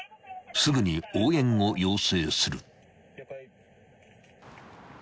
［すぐに応援を要請する］